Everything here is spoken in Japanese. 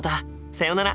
さよなら。